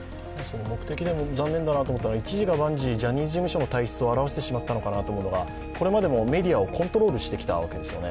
残念だなと思うのは、一事が万事、ジャニーズ事務所の体質を表してしまったのかなと思うのはこれまでもメディアをコントロールしてきたわけですよね。